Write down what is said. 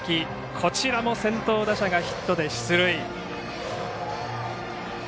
こちらも先頭打者がヒットで出塁。